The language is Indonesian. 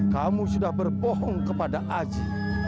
kamu sudah berbohong kepada aji